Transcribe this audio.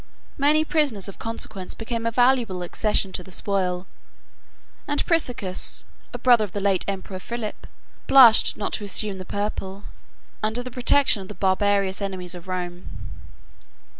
32 Many prisoners of consequence became a valuable accession to the spoil; and Priscus, a brother of the late emperor Philip, blushed not to assume the purple, under the protection of the barbarous enemies of Rome.